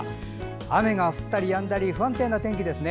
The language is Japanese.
雨が降ったりやんだり不安定な天気ですね。